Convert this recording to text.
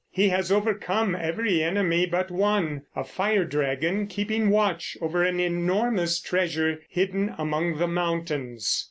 He has overcome every enemy but one, a fire dragon keeping watch over an enormous treasure hidden among the mountains.